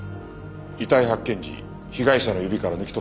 遺体発見時被害者の指から抜き取ったそうだ。